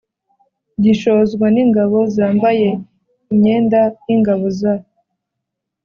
gishozwa n'ingabo zambaye inyenda y'ingabo za